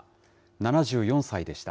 ７４歳でした。